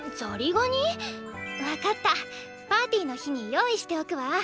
分かったパーティーの日に用意しておくわ。